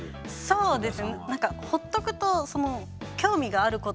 そうです。